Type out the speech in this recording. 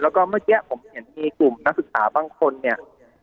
แล้วก็เมื่อกี้ผมเห็นมีกลุ่มนักศึกษาบางคนเนี่ย